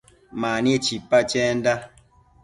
Mani chipa chenda